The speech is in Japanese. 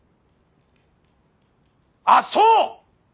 あっそう！